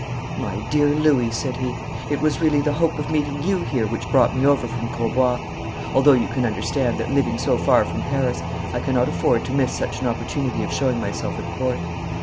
'My dear Louis,' said he. 'It was really the hope of meeting you here which brought me over from Grosbois although you can understand that living so far from Paris I cannot afford to miss such an opportunity of showing myself at Court.